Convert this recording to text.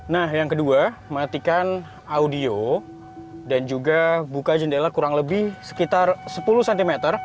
nah yang kedua matikan audio dan juga buka jendela kurang lebih sekitar sepuluh cm